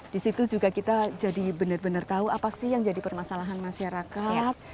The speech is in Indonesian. di situ juga kita jadi benar benar tahu apa sih yang jadi permasalahan masyarakat